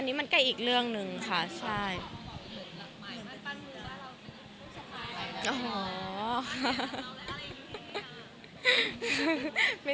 ก็บอกว่าเซอร์ไพรส์ไปค่ะ